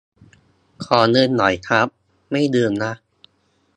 ขอเงินหน่อยครับ ไม่ยืมนะ